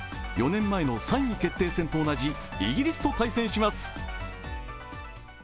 ４年前の３位決定戦と同じイギリスと対戦します。